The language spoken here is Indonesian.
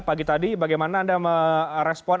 pagi tadi bagaimana anda merespon